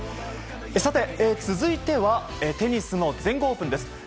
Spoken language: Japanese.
さて、続いてはテニスの全豪オープンです。